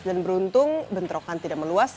dan beruntung bentrokan tidak meluas